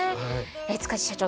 塚地社長